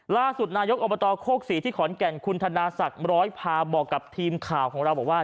ล่าสุดนายกอบตโคกศรีที่ขอนแก่นคุณธนาศักดิ์ร้อยพาบอกกับทีมข่าวของเราบอกว่า